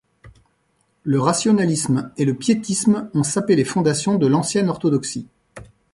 Le rationalisme et le piétisme ont sapé les fondations de l'ancienne orthodoxie.